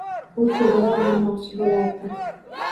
U tezroq yurmoqchi bo‘lardi.